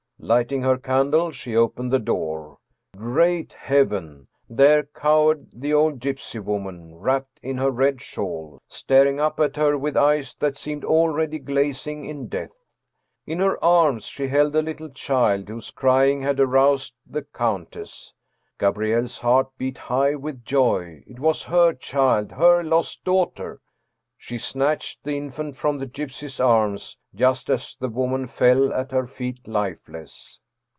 Lighting her candle she opened the door. Great Heaven! there cowered the old gypsy woman, wrapped in her red shawl, staring up at her with eyes that seemed already glazing in death. In her arms she held a little child, whose crying had aroused the countess. Gabrielle's heart beat high with joy it was her child her lost daughter! She snatched the infant from the gypsy's arms, just as the woman fell at her feet life less.